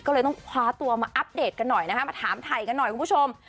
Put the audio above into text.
ก็เลยต้องคว้าตัวมาอัปเดตกันหน่อยนะคะมาถามถ่ายกันหน่อยคุณผู้ชม